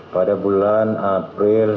pada bulan april